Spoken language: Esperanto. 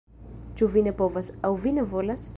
Ĉu vi ne povas, aŭ vi ne volas?